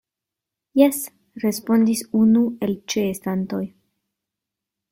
Jes, respondis unu el ĉeestantoj.